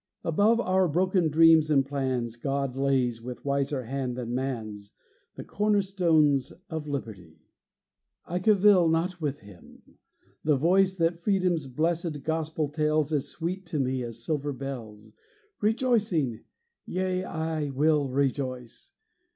Above our broken dreams and plans God lays, with wiser hand than man's, The corner stones of liberty. I cavil not with Him: the voice That freedom's blessed gospel tells Is sweet to me as silver bells, Rejoicing! yea, I will rejoice!